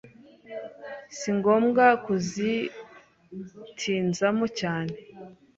singombwa kuzitinzamo cyane